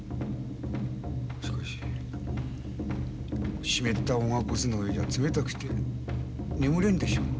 しかし湿ったおがくずの上では冷たくて眠れんでしょうに。